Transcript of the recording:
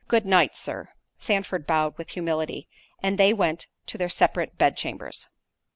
Good night, Sir." Sandford bowed with humility, and they went to their separate bedchambers.